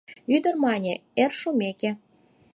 Ӱдыр мане: «Эр шумеке